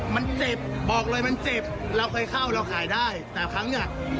มันเจ็บบอกเลยมันเจ็บเราเคยเข้าเราขายได้แต่ครั้งเนี่ย